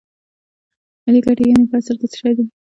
ملي ګټې یانې په اصل کې څه شی دي